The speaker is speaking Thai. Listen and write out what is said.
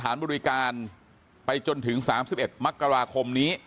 สถานบริการไปจนถึง๓๑นน